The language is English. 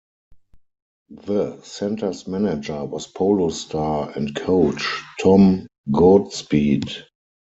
The center's manager was polo star and coach Tom Goodspeed.